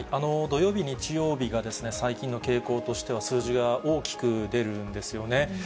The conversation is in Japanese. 土曜日、日曜日が最近の傾向としては、数字が大きく出るんですよね。